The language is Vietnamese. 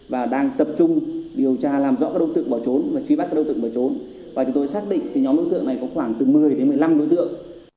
và đang tập trung điều tra làm rõ các đối tượng bỏ trốn và truy bắt các đối tượng bỏ trốn và chúng tôi xác định nhóm đối tượng này có khoảng từ một mươi đến một mươi năm đối tượng